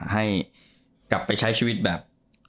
ให้กลับไปใช้ชีวิตแบบ